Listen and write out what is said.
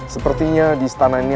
sepertinya di setanah ini